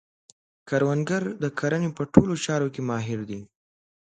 کروندګر د کرنې په ټولو چارو کې ماهر دی